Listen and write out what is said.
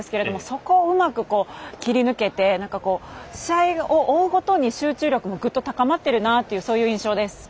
そこをうまく切り抜けて試合を追うごとに集中力が、ぐっと高まってるなという印象です。